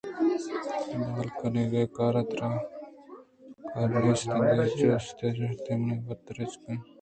بال کنگ ءِ کار ءَ ترا کار نیست ءُ اے جُست ءِ پسّہ ءَ من وت درگیجاں